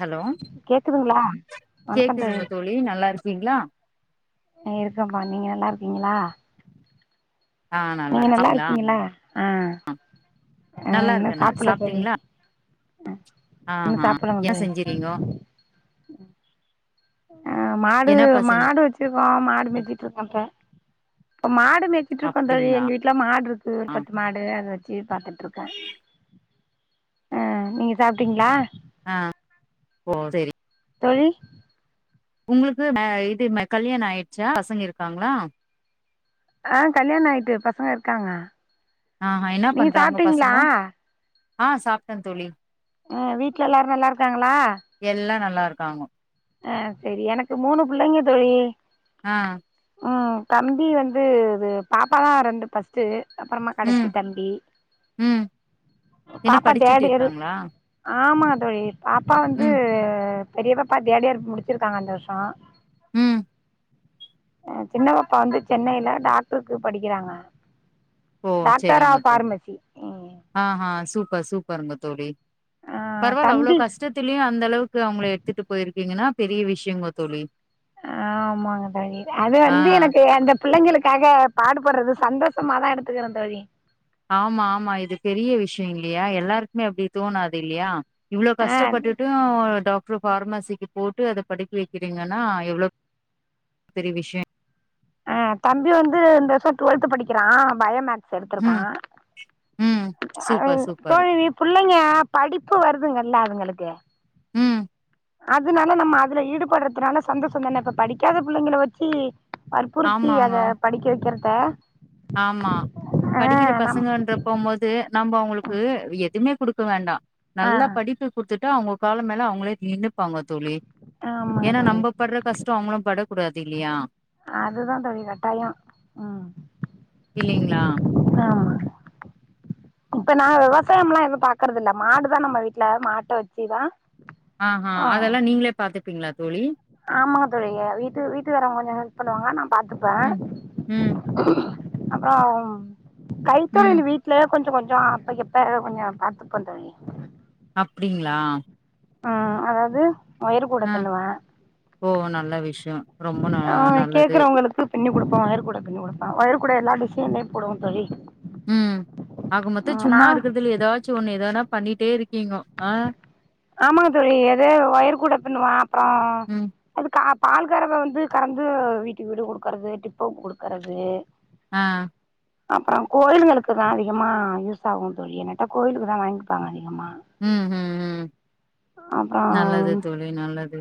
Hello கேக்குதுங்களா கேக்குதுங்க தோழி நல்லா இருக்கீங்ளா இருக்கப்பா நீங்க நல்லா இருக்கீங்ளா ஆ நீங்க நல்லா இருக்கீங்களா இருக்கீங்ளா அ நல்லா இருக்கே நா சாப்ட்டீங்ளா ஆ இன்னு சாப்பிடலங்க என்ன தோழி செஞ்சிறீங்கோ ஆ மாடு என்னப்பா செஞ்சி மாடு வெச்சிருக்கோ மாடு மேசிட்டு இருக்கோ இப்ப மாடு மேட்சிட்ருக்கோ தோழி அப்டிங்களா எங்க வீட்ல மாடு இருக்கு ஒரு ஆ பத்து மாடு எதோ அத வச்சு பாத்துட்டு இருக்க ஆ நீங்க சாப்ட்டீங்ளா ஆ ஓ செரி தோழி உங்களுக்கு இது கல்யாணம் ஆயிடுச்சா பசங்க இருக்காங்ளா ஆ கல்யாணோ ஆயிட்டு பசங்க இருக்காங்க ஆ என்ன நீங்க பண்றாங்க சாப்பிட்டீங்களா பசங்கோ ஆ சாப்ட்டே தோழி ஆ வீட்ல எல்லாரு நல்லா இருக்காங்ளா எல்லா நல்லா இருக்கோங்க ஆ செரி எனக்கு மூணு பிள்ளைங்க தோழி ஆ ம் தம்பி வந்து இது பாப்பா தா ரெண்டு ஃபர்ஸ்ட்டு அப்றமா கடைசி ம் தம்பி ம் என்ன பாப்பா படிச்சிட்டு தர்டு இயரு இருக்காங்களா ஆமாங்க தோழி பாப்பா வந்து ம் பெரியவ பா தேடியர் முடிச்சிருக்காங்க இந்த வருஷோ ம் சின்னப்பப்பா வந்து சென்னையில டாக்டருக்கு படிக்கிறாங்க ஓ டாக்டர் செரிங்க ஆஃப் தோழி ஃபார்மசி ம் ஆ சூப்பர் சூப்பருங்க தோழி ஆ பரவால்ல அவ்ளோ தம்பி கஷ் கஷ்டத்திலயு அந்த அளவுக்கு அவுங்களை எடுத்துட்டு போயிருக்கீங்ன்னா பெரிய விஷியோங்க தோழி ஆ ஆமாங்க தோழி அது ஆ வந்து எனக்கு அந்த பிள்ளைங்களுக்காக பாடுபடுறது சந்தோஷமாதா எடுத்துக்கிறே தோழி ஆமா ஆமா இது பெரிய விஷியோ இல்லியா எல்லாருக்குமே அப்டி தோணாது இல்லியா இவ்ளோ ஆ கஷ்டப்பட்டுட்டு டாக்டர் பஃபார்மாசிக்கு போட்டு அத படிக்க வெக்கிறீங்கனா எவ்வளோ பெரிய விஷ்ய ஆ தம்பி வந்து இந்த வருஷ டுவல்த் படிக்கிறா பயோமேக்ஸ் எடுத்துருக்கா ம், ம். Super, super. [unintelligible] புள்ளைங்க படிப்பு வருதுங்கல்ல அதுங்களுக்கு ம் அதனால நம்ம அதுல ஈடுபடுறதுனால சந்தோஷந் தானே இப்ப படிக்காத புள்ளைங்கள வெச்சு வற்புறுத்தி அத படிக்க வைக்கிறத ஆம்மா ஆ படிக்கிற நம் பசங்கன்ற போம்போது நம்ம அவங்ளுக்கு எதுவுமே குடுக்க வேண்டா ஆ நல்ல படிப்பு குடுத்துட்டு அவங்க கால மேல அவங்ளே மீண்டுப்பாங்க தோழி ஆம்மா ஏனா நம்ப படுற கஷ்டம் அவங்களு படக் கூடாது இல்லையா அதுதாந்தோழி கட்டாயோ ம் இல்லீங்ளா ஆமா இப்ப நா விவசாயம் எல்லா எது பாக்குறது இல்ல மாடுதா நம்ம வீட்ல மாட்ட வெச்சுதா ஆஹா அதெல்லா நீங்ளே பாத்துப்பீங்ளா தோழி ஆமாங் தோழி வீட்டு வீட்டுக்காரவங்க கொஞ்ச ஹெல்ப் பண்ணுவாங்க நா பா்த்துப்பே ம். ம். அப்புறம் ம். கைத்தொழில் வீட் ல கொஞ்ச கொஞ்ச அப்ப இப்ப கொஞ்ச பாத்துபந் தோழி அப்டிங்ளா ம் அதாவ்து ஒயர் கூட அ. பிண்ணுவே ஓ! நல்ல விஷயம். ரொம்ப ந ஆஹ நல்லது. கேக்குறவங்ளுக்கு பிண்ணி குடுப்பே ஒயர் கூட பிண்ணி குடுப்பே ஒயர் கூட எல்லா டிசெய்ன்லயு போடுவேந்தோழி உம் ஆக மொத்த சும்மா இருக்கதல ஏதாச்சு ஒண்ணு ஏதனா பண்ணிட்டே இருக்கீங்க ஆஹ ஆமாங்க தோழி எதே ஒயிர் கூட பிண்ணுவே அப்றோ ம். அது கா பால் கறவை வந்து கறந்து வீட்டுக்கு வீடு குடுக்கறது டிப்போக்கு குடுக்கறது ஆஹ அப்புறம் கோயில்களுக்கு தா அதிகமா யூஸ் ஆகுந்தோழி என்னட்டா கோயிலுக்கு தா வாங்கிப்பாங்க அதிகமா உம் உம் உம் அப்றோ நல்லது தோழி நல்லது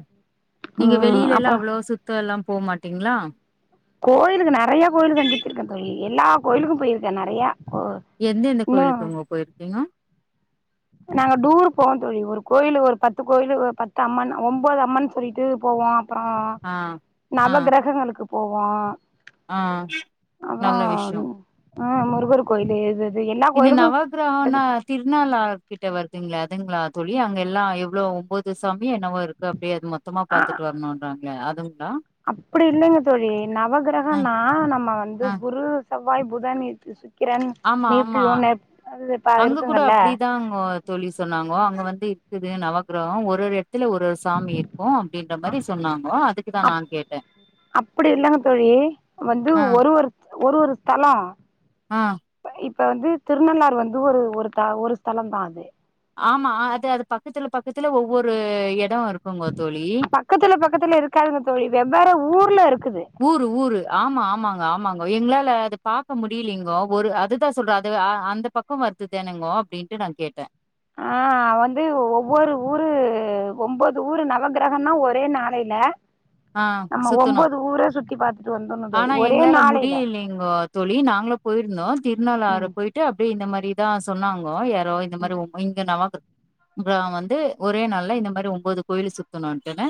நீங்க ம் வெளிலல்லா அப்றோ அவ்ளோ சுத் தல்லா போமாட்டீங்களா கோயிலுக்கு நெறைய கோயிலு சந்திச்சிருக்கே தோழி எல்லாக் கோயிலுக்கு போயிருக்கே நெறையா எந்தெந்த இன்னு கோயிலுக்குங்கோ போயிருக்கீங்கோ நாங்க டூர் போவோந் தோழி ஒரு கோயிலு ஒரு பத்து கோயிலு ஒரு பத்து அம்மன் ஒம்போது அம்மன் இது போவோ அப்றோ ஆ. ஆ. நவ கிரகங்களுக்கு போவோ ஆ. அப்றோ நல்ல விஷயம். ஆஹ முருகர் கோயில எது இந்த நவகிரகன்னா திருநாளார் கிட்ட வருதுங்ளா அதுங்ளா தோழி அங்கல்லா எவ்ளோ ஒம்போது புத்துசாமி என்னவோ இருக்கு அப்டிய அது மொத்தமா ஆ பாத்துட்டு வரணும்ன்றாங்ளே அதுங்ளா அப்டி இல்லைங் தோழி அ நவகிரகன்னா நம்ம வந்து அ குரு செவ்வாய் புதன் சு க்கிரண் ஆமா ஆமா நீப்பியூ நெப் அதுப்ப இருக்குங்கல்ல தங்கொ சொல்லி சொன்னாங்கோ அங்க வந்து இருக்குது நவகிரகோ ஒரு ரெண் த்துல ஒரு சாமி இருக்கு அப்டின்ற மாரி சொன்னாங்கோ அதுக்தா நா கேட்டே அப்படில்ல அ தோழி வந்து அ ஒரு ஒரு ஒரு ஒரு தலா ஆ இப்ப வந்து திருநள்ளாறு வந்து ஒரு ஒரு த ஒரு ஸ்தலம் தா அது ஆமா அது அது பக்கத்துல பக்கத்துல ஒவ்வொரு எடோ இருக்குங்க தோழி பக்கத்துல பக்கத்துல இருக்காங்க தோழி வெவ்வேற ஊர்ல இருக்குது ஊரு ஊரு ஆமா ஆமாங்க ஆமாங்க எங்களால அது பாக்க முடியலிங்கோ ஒரு அதுதா சொல்றே அது அ அந்த பக்க வருத்து தேனோங்கோ அப்படின்ட்டு நா கேட்டே நா வந்து ஒ ஒவ்வொரு ஊரு ஒம்போது ஊரு நவகிரகன்னா ஒரே நாளையில ஆ நம்ம சுத்துனோம். ஒம்போது ஊர சுத்தி பார்த்துட்டு வந்தர்னு தோழி ஆனா ஒரே எங்களால நாளையில முடியலைங்கோ தோழி நாங்கலு போயிருந்தோ திருன்னள்ளாறு ம் போயிட் ட்டு அப்படி இந்த மாரிதா சொன்னாங்கோ யாரோ இந்த மாரி உ இங்க நவாக்கு கிரா வந்து ஒரே நாள்ல இந்த மாரி ஒம்போது கோயிலு சுத்தணுன்ட்டுன்னு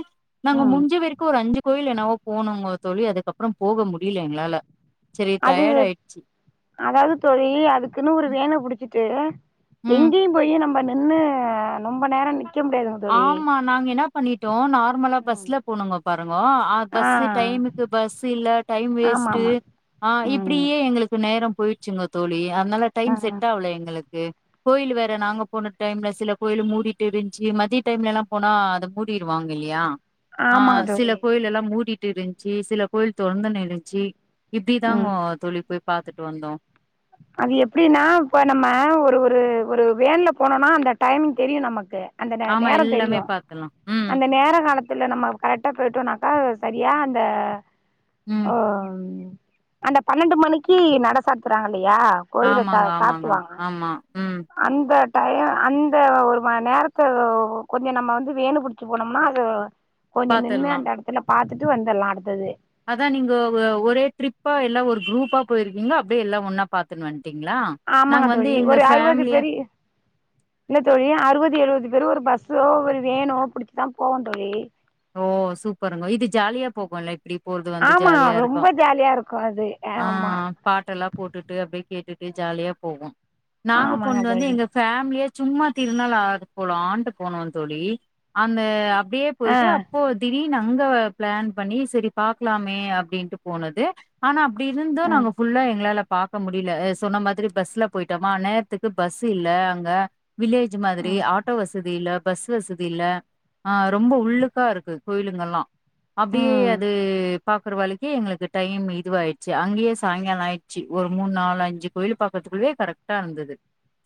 நாங்க ம் முன்ஞ்ச வரைக்கு ஒரு அஞ்சு கோயில் என்னாவோ போனோங்கோ தோழி அதுக்கப்புறம் போக முடியில எங்களால சரி அது டயாட் ஆயிட்ச்சு அதாவது தோழி அதுக்குன்னு ஒரு ம். வேன புடிச்சிட்டு ம். எங்கேயு போய்யி நம்ப என்ன ரொம்ப நேரோ நிக்க முடியாதுங் ஆமா நாங்க என்னா பண்ணிட்டோ நார்மலா பஸ்ல போனுங்க பாருங்க அ ஆ பஸ்சு டைமுக்கு பஸ் இல்ல டைம் ஆமா வேஸ்ட் ஆமா ஆ ம் இப்டியே எங்களுக் நேரோ போயிட்ச்சுங்க தோழி அதனால ஆ டைம் செட்டாகல எங்களுக் கு கோயில்லு வேற நாங்க போன டைம்ல சில கோயில்லு மூடிட்டு இருந்ச்சு ம திய டைம்லலா போனா அத மூடிருவாங்க இல்லையா ஆ ஆமா சில தோழி கோயில் எல்லாம் மூடிட்டு இருந் சி சில கோயில் தொறந்துனு இருன்ச்சு ம் இப்படிதாங்கோ தோழி போய் பாத்துட்டு வந்தோ அது எப்படின்னா இப்போ நம்ம ஒரு ஒரு ஒரு வேன்ல போனோனா அந்த டைமிங் தெரியு நமக்கு அந்த ரே ஆமா நேரோ எல்லாமே தெரியு பாத்துர்லா ம் அந்த நேர காலத் த்துல நம்ம கரெக்ட்டா போயிட்டோன்னாக்கா சரியா அந்த ம் அந்த பன்னெண்டு மணிக்கு நட சாத்துறாங்க இல்லையா கோவில தா ஆமாங்க ஆமாங்க சாத்துவாங்க ஆமா ம் அந்த டையோ அந்த ஒரு மண் நேரத்த ஒ கொஞ்ச நம்ம வந்து வேனு புடி ச்சு போனோம்னா அது கொஞ்ச நின்னு பாத்துர்லா அந்தஎடத்துல பாத்துட்டு வந்தர்லா அடுத்தது அதா நீங்கோ ஒ ஒரே ட்ரிப்பா எல்லா ஒரு குரூப்பா போயிருக்கீங்க அப்படியே எல்லா ஒன்னா பாத்துன்னு வந்ட்டீங்களா நாங்க ஆமாங்க வந்து தோழி எங்க ஒரு அறுபது ஃபேமிலியா பெரி இல்ல தோழி அறுவது எழுவது பேரு ஒரு பஸ்ஸோ ஒரு வேனோ பிடிச்சுதா போவோ தோழி ஓ சூப்பருங்கோ இது ஜாலியா போகுல்ல இப்படி போறது வந்து ஆமா ஜாலியா இருக்கு ரொம்ப ஜாலியா இருக்கு அது ஆ ஆமா பாட்டலா போட்டுட்டு அப்படியே கேட்டுட்டு ஜாலியா போவோ நாங்க ஆமாங்க போனது வந்து தோழி எங்க ஃபேமிலியா சும்மா திருநள்ளாறு போலான்ட்டு போனோன் தோழி அந்த அப்டியே ஆ டு அப்போ திடீர்னு அங்க பிளான் பண்ணி சேரி பாக்கலாமே அப்படின்ட்டு போனது ஆனா அப்படி இருந்து ஆ நாங்க ஃபுல்லா எங்களால பாக்க முடில்ல அ சொன்ன மாதிரி பஸ்ல போயிட்டோமா நேத்துக்கு பஸ்சு இல்ல அங்க வில்லேஜ் மாதிரி ம் ஆட்டோ வசதி இல்ல பஸ் வசதி இல்ல ஆ ரொம்போ உள்ளுக் கா இருக்கு கோயிலுங்கள்லா அப்டியே ம் அது பாக்குறவாளுக்கே எங்களுக்கு டைம் இதுவாயிட்ச்சு அங்கேயே சாங்கால ஆயி ச்சி ஒரு மூன் நாலஞ்சு கோயில் பாக்றதுக்குள்ளே கரெக்டா இருந்தது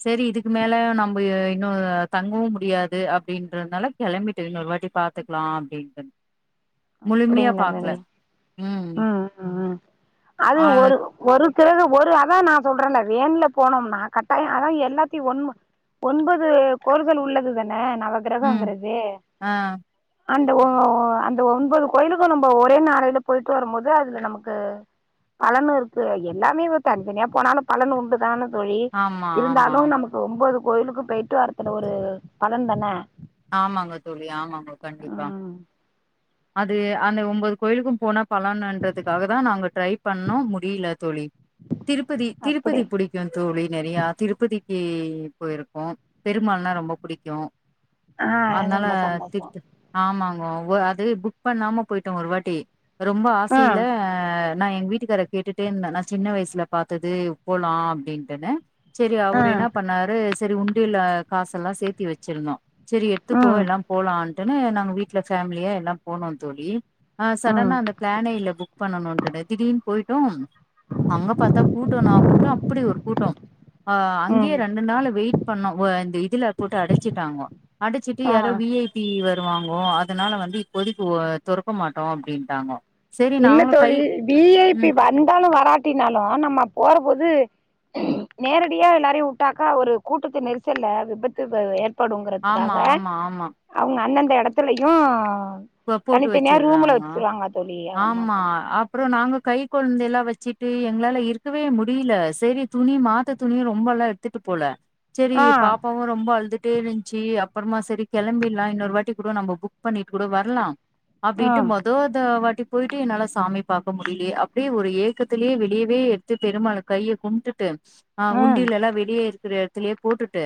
செரி இதுக்கு மேல நம்ப இன்னு தங்கவும் முடியாது அப்டின்றதுனால கெளம்பிட்ட இன்னொரு வாட்டி பாத் துக்கலா அப்டின்ட்டு முழுமையா அப்டிங்களா தோழி பாக்கல ம் ம் அது ஆ ஒரு ஒரு பிறகு ஒரு அதா நா சொல்றேன்ல வேன்ல போனோம்னா கட்டாய அதா எல்லாத்தையு ஒண்ம ஒன்பது கோள்கள் உள்ளது தானே நவ ம் கிரகங்கிறது ஆ அந்த ஓ ஓ அந் த ஒன்பது கோயிலுக்கு நம்ப ஒரே நாரையில போயிட்டு வரும்போது அதுல நமக்கு பலனு இருக்கு எல்லாமே இப் தனித்தனியா போனாலு பலனு உண்டு தான தோழி ஆமா ஆமா இருந்தாலும ஆமா நமக்கு ஒம்போது கோயிலுக்கும் போயிட்டு வரதுல ஒரு பலன் தான ஆமாங்க தோழி ஆமாங்க கண்டிப்பா ம் அது அந்த ஒம்போது கோயிலுக்கும் போனா பலனுன்றதுக்காக தா நாங்க ட்ரை பண்ணோ முடியில தோழி திருப்பதி அப்படி திருப்பதி புடி க்கு தோழி நறையா திருப்பதிக்கு போயிருக்கோ பெருமாள்னா ரொம்ப புடிக்கு ஆ அதனால ரொம்ப சந்தோஷோ திருத்த ஆமாங்கோ ஓ அது புக் பண்ணாம போயிட்டோ ஒருவாட்டி ரொம்ப ஆ ஆசையில நா எங்க வீட்டுக்கார கேட்டுட்டே இருந்தே நா சின்ன வயசுல பாத்தது போலா அப்டின்ட்டுன்னு சேரி ஆ அவரு என்ன பண்ணாரு சேரி உண்டியில காசு எல்லா சேத்தி வச்சிருந்தோ சேரி எடுத்துக்கோ ம் எல்லா போலான்ட்டுன்னு நாங்க வீட்ல ஃபேமிலியா எல்லா போனோ தோழி ஆ ம் சடனா அந்த பிளானே இல்ல புக் பண்ணணுன்ட்டு திடீர்னு போயிட்டோ அங்க பாத்தா கூட்டோன்னா கூட்டோ அப்டியொரு கூட்டம் ஆ அங்கேயே ம் ரெண்டு நாளு வெயிட் பண்ணோ ஓ இந்த இதுல போட்டு அடச்சிட்டாங்கோ அடிச்சிட்டு ஆ யாரோ வி ஐ பி வருவாங்கோ அதனால வந்து இப்போதைக்கு ஓ தொறக்க மாட்டோ அப்டின்ட்டாங்கோ சரி இல்ல நாங்களும் கை தோழி வி ஐ பி ம் வந்தாலு வராட்டினாலு நம்ம போற போது நேரடியா எல்லாரையு விட்டாக்கா ஒரு கூட்டத்து நெரிசல்ல விபத்து ப ஏற் படுங்கிறதுக்காக ஆமா ஆமா ஆமா அவுங்க அந்தந்த எடத்துலயு போ- போட்டு தனித்தனியா ரூம்ல வச்சிடுறாங்க வச்சுருவாங்க தோழி ஆமா அப்புறோ நாங்க கை கொழந்தையெல்லா வச்சுட்டு எங்களால இருக்கவே முடியல செரி துணி மாத்த துணிய ரொம்பெல்லா எடுத்துட்டு போல செரி ஆ பாப்பாவு ரொம்ப அழுதுட் டே இருந்ச்சு அப்புறமா சரி கெளம்பிர்லா இன்னொரு வாட்டி கூடோ நம்ப புக் பண்ணிட்டு கூடோ வர்லா ஆ அப்டின்ட்டு மொத் தோ தா வாட்டி போயிட்டு என்னால சாமி பாக்க முடியிலே அப்டியே ஒரு ஏக்கத்துலேயே வெளியவே ட்டு பெருமாள கைய கும்ட்டுட்டு ஆ உண்டியில எல்லா வெளியே இருக்கிற எடத்துலயே போட்டுட்டு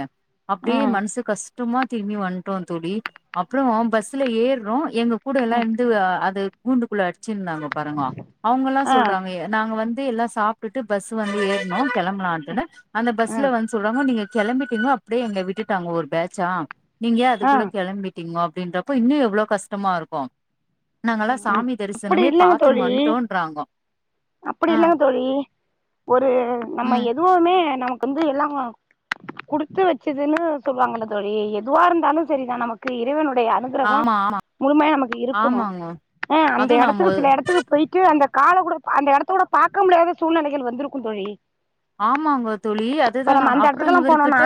ஆ அப்பனடியே மனசு கஷ் டமா திரும்பி வந்ட்டோ தோழி அப்புற பஸ்ல ஏர்றோ எங்க கூட எல்லா இருந்து அது கூண்டுக்குள்ள அட் ச்சி இருந்தாங்கோ பாருங்கோ அவுங்கல்லா ஆ சொல்றாங்க நாங்க வந்து எல்லா சாப் ட்டுட்டு பஸ்ஸு வந்து ஏறுனோ கெளம்பலானட்டுன்னு அந்த ஆ பஸ்ல வந்து சொல்றாங்கோ நீங்க கெளம்பிட்டீங்கோ அப்டியே எங்கள விட்டுட்டாங்கோ ஒரு பேட்சா நீங்க ஏ ஆ அதுக்குள்ள கெளம்பிட் ங்கோ அப்டின்றப்போ இன்னு எவ்வளோ கஷ்டமா இருக்கு நாங்கள்லா ம் ம் சாமி அப்படி தரிசனமே பாத்துன்னு வந்ட்டோன்றாங்கோ அப்டி ஆ இல்லங்க தோழி ஒரு நம்ம ம் எது வுமே நமக்கு வந்து எல்லா குடுத்து வச்சதுன்னு சொல்லுவாங்கல்ல தோழி எதுவா இருந்தாலு சரிதா நமக்கு இறைவனுடைய அனுக் கிரகோ ஆமா ஆமா முழுமையா நமக்கு இருக்கணு ஆமாங்கோ அ அந்த அதுவு நா மொ எடத்துக்கு சில எடத் த்துக்கு போயிட்டு அந்த கால கூட அந்த எடத்த கூட ப பாக்க முடியாத சூழ்நிலைகள் வந்திருக்கும் தோழி ஆமாங்க தோழி அதுதா இப்ப நம்ம நானு அந்த அப்புறோ எடத்துக்கெல்லா இவரு போனோனா கிட்ட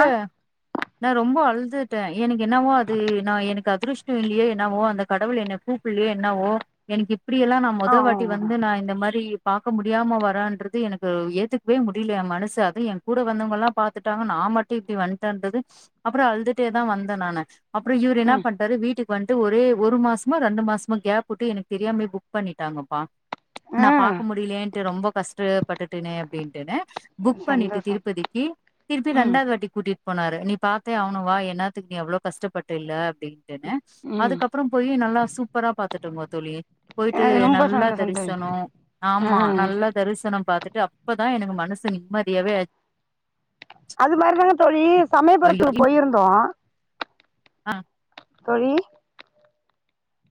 நா ரொம்ப அழுதுட்டே எனக்கு என்னவோ அது நா எனக்கு அதிருஷ்டோ இல்லையோ என்னவோ அந்த கடவுள் என்ன கூ ப்புல்லையோ என்னவோ எனக்கு இப்படியெல்லா நா ஆ மொத வாட்டி ஆமா வந்து நா இந்த மாரி பாக்க முடியாம வரேன்றது எனக்கு ஏத்துக்கவே மு டியல ஏ மனசு அது ஏ கூட வந்தவங்கல்லா பாத்துட்டாங்க நா மட்டு இப்டி வன்டேன்றது அப்றோ அழுதுட்டே தா வந்தே நானு அப்புறோ இவரு என்ன ம் பண்ணிட்டாரு வீட்டுக்கு வந்துட்டு ஒரே ஒரு மாசமா ரெண்டு மாசமா கேப் விட்டு எனக்கு தெரியாமே புக் பண்ணிட்டாங்கப்பா ஆ நா பாக்க முடியலேன்ட்டு ரொம்ப கஷ்டப்பட்டுட்டனே அப்டின்டுன்னு புக் பண்ணிட்டு சந்தோஷம் திருப்பதிக்கு திருப்பி ம் ரெண்டாவது வாட்டி கூட்டிட் போனாரு நீ பாத்தே ஆவனு வா என்னாத்துக்கு நீ அவ்ளோ கஷ்டப்பட்டேல்ல அப்டின் டுனு ம் அதுக்கப்றோ போயி நல்லா சூப்பரா பாத்துட்டோங்க தோழி போயிட்டு அது ரொம்ப நல்லா சந்தோஷம் தோழி தரிசனோ ஆ ஆமா நல்லா தரிசனோ பாத்துட்டு அப்பதா எனக்கு மனசு நிம்மதியாவே ஆச் அது மாதிரிதாங்க தோழி ஆச்சு ஐயோ சமயபுறத்துக்கு போயிருந்தோ ஆ தோழி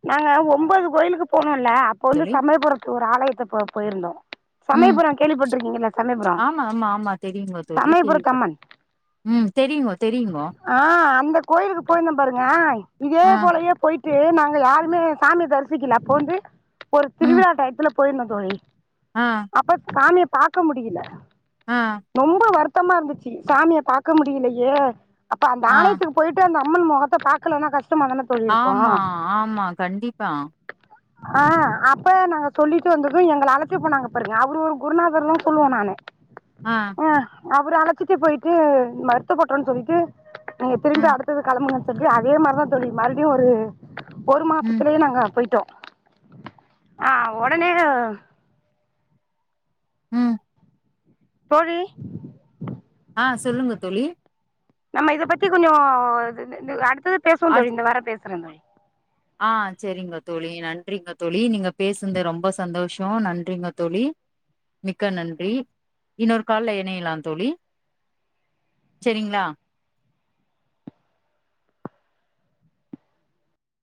நாங்க ஒம்போது கோயிலுக்கு போனோல்ல அப்ப வந்து தோழி சமயபுரத்து ஒரு ஆலயத்துக்கு போயிருந்தோ ம் சமயபுரோ கேள்விப்பட்ருக்கீங்கல்லா சமயபுரோ ஆமா ஆமா ஆமா தெரியுங்கோ தோழி சமயபுரத்து அம்மன் கேள்விப்பட்ருக்கே ம் தெரியுங்கோ தெரியுங்கோ ஆ அந்த கோயிலுக்கு போயிருந்தோ பாருங்க இதே ஆ போலயே போயிட் டு நாங்க யாருமே சாமிய தரிசிக்கல அப்போ வந்து ஒரு ம் திருவிழா டயத்துல போயிருந்தோ தோழி ஆ அப்ப சாமிய பாக்க முடியில ஆ ரொம்ப வருத்தமா இருந்துச்சு சாமிய பாக்க முடியலையே அப்ப அந்த ஆ ஆலயத்துக்கு போயிட்டு அந்த அம்மன் மொகத்த பாக்கலனா கஷ்டமாதான ஆமா ஆமா கண்டிப்பா ஆ அப்ப நாங்க சொல்லிட்டு வந்தது எங்கள அழச்சு போனாங்க பாருங்க அவரு ஒரு குருநாதருல்லா சொல்லுவோ நானு ஆ அ அவரு அழச்சிட்டு போயிட்டு மருத்துப்பட்றோனு சொல்லிட்டு நீங்க திரும்பி ம், அடுத் கெளம்புங்கன்னு சொல்லி அதே மாரிதா தோழி மறுபடியு ஒரு ஒரு ம், மாசத்துலேயே நாங்க போயிட்டோ ஆ ஒடனே ம் தோழி ஆ சொல்லுங்க தோழி நம்ம இத பத்தி கொஞ்சோ இதுது அடுத்தது பேசுவோ அடுத் தோழி இந்த வரே பேசுறே தோழி ஆ செரிங்க தோழி நன்றிங்க தோழி நீங்க பேசுன்து ரொம்ப சந்தோஷோ நன்றிங்க தோழி மிக்க நன்றி இன்னோரு கால்ல இணையலா தோழி செரிங்ளா